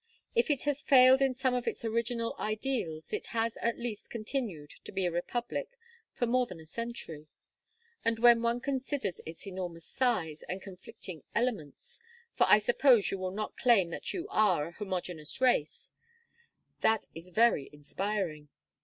If it has failed in some of its original ideals it has at least continued to be a republic for more than a century; and when one considers its enormous size and conflicting elements for I suppose you will not claim that you are a homogeneous race that is very inspiring!